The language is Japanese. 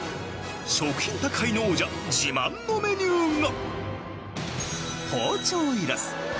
食品宅配の王者自慢のメニューが。